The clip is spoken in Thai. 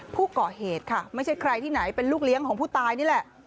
ผู้ก่อเหตุค่ะไม่ใช่ใครที่ไหนเป็นลูกเลี้ยงของผู้ตายนี่แหละ